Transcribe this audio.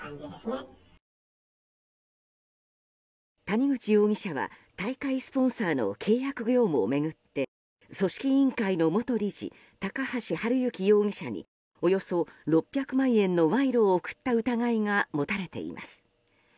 谷口容疑者は大会スポンサーの契約業務を巡って組織委員会の元理事高橋治之容疑者におよそ６００万円の賄賂を贈った疑いが持たれています。